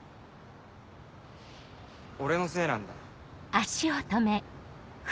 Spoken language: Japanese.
俺のせいなんだ。